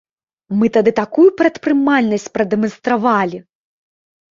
Мы тады такую прадпрымальнасць прадэманстравалі!